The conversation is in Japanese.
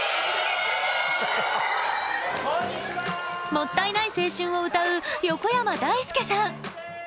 「もったいない青春」を歌う横山だいすけさん。